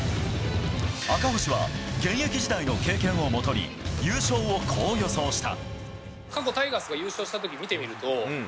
赤星は現役時代の経験をもとに優勝をこう予想した。